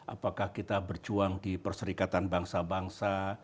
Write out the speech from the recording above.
apakah kita berjuang di perserikatan bangsa bangsa